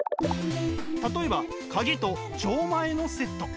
例えばカギと錠前のセット。